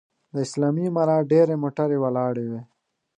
د اسلامي امارت ډېرې موټرې ولاړې وې.